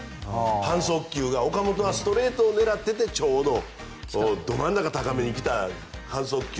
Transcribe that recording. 半速球が岡本はストレートを狙っていてちょうどド真ん中高めに来た半速球。